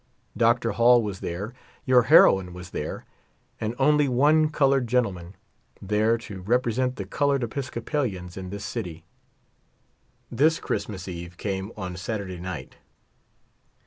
Dr. Hall was there ; your heroine was there, and only one colored gentleman there to represent the colored Episcopalians in this city. This Christmas eve came on Saturday night.